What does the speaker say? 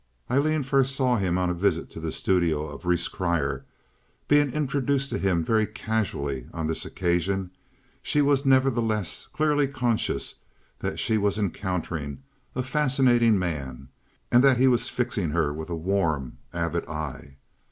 Aileen first saw him on a visit to the studio of Rhees Grier. Being introduced to him very casually on this occasion, she was nevertheless clearly conscious that she was encountering a fascinating man, and that he was fixing her with a warm, avid eye.